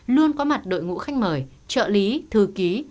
luôn có mặt đội ngũ khách mời trợ lý thư ký